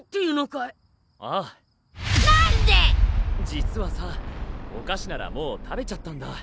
実はさお菓子ならもう食べちゃったんだ。